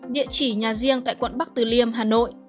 địa chỉ nhà riêng tại quận bắc từ liêm hà nội